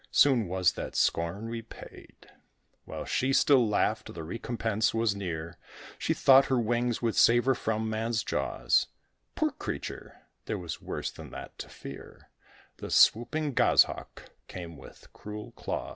Soon was that scorn repaid: While she still laughed, the recompense was near. She thought her wings would save her from man's jaws. Poor creature! there was worse than that to fear: The swooping Goshawk came with cruel claws.